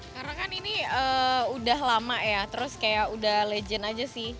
karena kan ini udah lama ya terus kayak udah legend aja sih